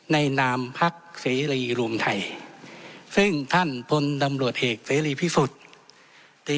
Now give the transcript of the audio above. นามพักเสรีรวมไทยซึ่งท่านพลตำรวจเอกเสรีพิสุทธิ์ตี